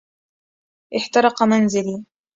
احترقَ منزلي.